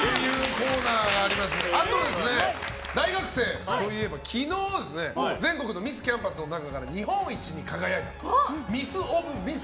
あと、大学生といえば昨日全国のミスキャンパスの中から日本一に輝いたミスオブミス